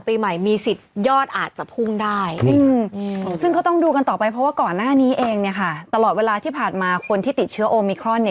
เราไม่ได้เลือกตั้งว่ากรทมมากี่ปีละ